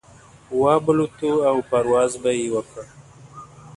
وابه لوته او پرواز به يې وکړ.